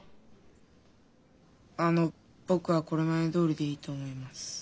あの僕はこれまでどおりでいいと思います。